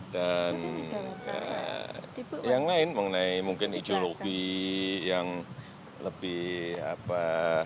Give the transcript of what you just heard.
dan yang lain mengenai mungkin ideologi yang lebih apa